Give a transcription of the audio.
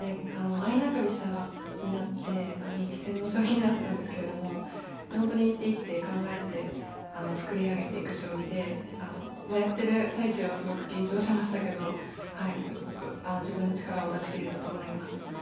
相中飛車になって力戦の将棋になったんですけれども本当に一手一手考えて作り上げていく将棋でやってる最中はすごく緊張しましたけどすごく自分の力を出しきれたと思います。